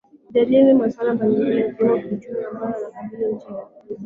kujadili maswala mbalimbali yakiwemo ya kiuchumi ambayo yanakambili nchi ya cuba